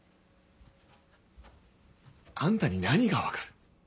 あんたに何がわかる？